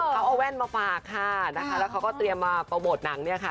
เขาเอาแว่นมาฝากค่ะนะคะแล้วเขาก็เตรียมมาโปรโมทหนังเนี่ยค่ะ